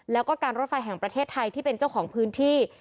แล้วก็การรถไฟแห่งประเทศไทยที่เป็นเจ้าของพื้นที่